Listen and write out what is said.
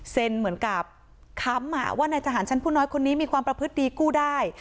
เหมือนกับค้ำว่าในทหารชั้นผู้น้อยคนนี้มีความประพฤติดีกู้ได้